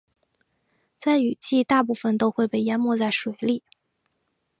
在雨季大部分都会被淹没在水里。